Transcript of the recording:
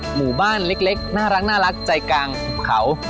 หมู่บ้านเล็กน่ารักใจกลางหุบเขา